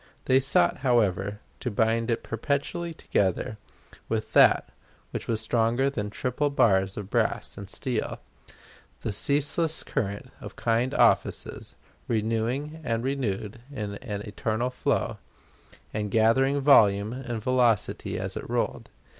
They sought, however, to bind it perpetually together with that which was stronger than triple bars of brass and steel the ceaseless current of kind offices, renewing and renewed in an eternal flow, and gathering volume and velocity as it rolled.